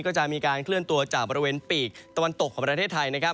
ก็จะมีการเคลื่อนตัวจากบริเวณปีกตะวันตกของประเทศไทยนะครับ